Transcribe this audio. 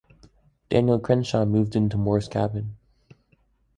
Daniel Crenshaw moved into Moore's cabin.